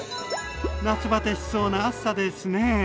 夏バテしそうな暑さですね。